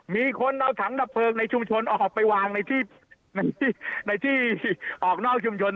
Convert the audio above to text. มีคนเอาถังดับเพลิงในชุมชนออกไปวางในที่ออกนอกชุมชน